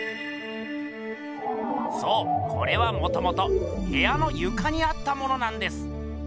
そうこれはもともとへやのゆかにあったものなんです。